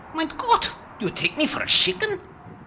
Mein Gott! do you take me vor a shicken?